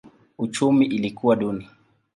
Uchumi ilikuwa duni.